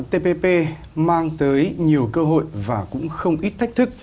tpp mang tới nhiều cơ hội và cũng không ít thách thức